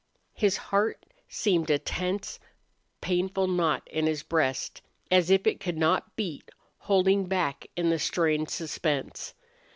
His heart seemed a tense, painful knot in his breast, as if it could not beat, holding back in the strained suspense.